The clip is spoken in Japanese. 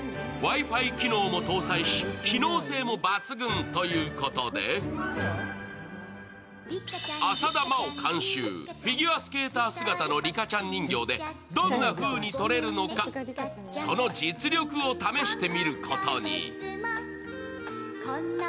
Ｗｉ−Ｆｉ機能も搭載し、機能性も抜群ということで、浅田真央監修、フィギュアスケーター姿のリカちゃん人形でどんなふうに撮れるのか、その実力を試してみることに。